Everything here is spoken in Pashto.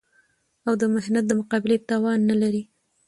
او د محنت د مقابلې توان نه لري